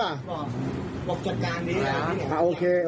บอกบอกจัดการดีบอกจัดการดี